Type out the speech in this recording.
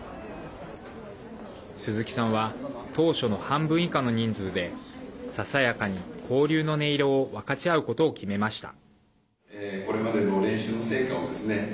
鈴木さんは当初の半分以下の人数でささやかに交流の音色を分かち合うことを決めました。